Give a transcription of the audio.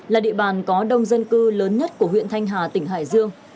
là địa bàn có đông dân cư lớn nhất của huyện thanh hà tỉnh hải dương